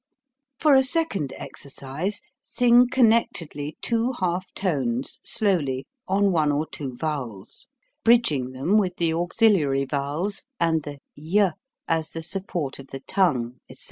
For a second exercise, sing connectedly two half tones, slowly, on one or two vowels, bridging them with the auxiliary vowels and the y as the support of the tongue, etc.